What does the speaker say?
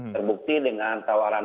terbukti dengan tawaran